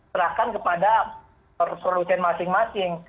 terahkan kepada produsen masing masing